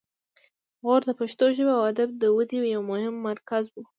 غور د پښتو ژبې او ادب د ودې یو مهم مرکز و